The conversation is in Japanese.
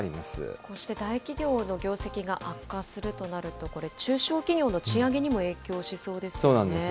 そして大企業の業績が悪化するとなると、これ、中小企業の賃上げにも影響しそうですよね。